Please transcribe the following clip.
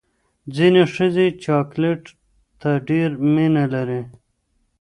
ځینې ښځې چاکلیټ ته ډېره مینه لري.